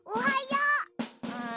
うん。